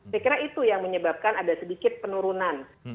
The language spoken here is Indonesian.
saya kira itu yang menyebabkan ada sedikit penurunan